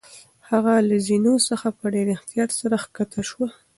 هغه له زینو څخه په ډېر احتیاط سره کښته شوه.